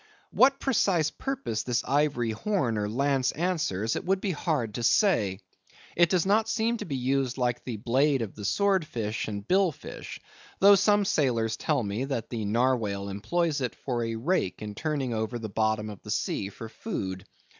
What precise purpose this ivory horn or lance answers, it would be hard to say. It does not seem to be used like the blade of the sword fish and bill fish; though some sailors tell me that the Narwhale employs it for a rake in turning over the bottom of the sea for food.